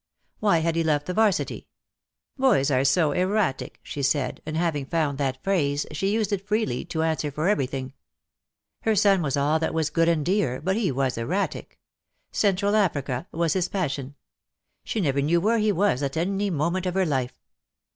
"Why had he left the 'Varsity?" "Boys are so erratic," she said, and, having DEAD LOVE HAS CHAINS. Q^i found that phrase, she used it freely to answer for everything. Her son was all that was good and dear, but he was erratic. Central Africa was his passion. She never knew where he was at any moment of her life.